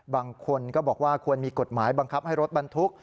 บางคนก็บอกว่าควรมีกฎหมายบังคับให้รถบรรทุก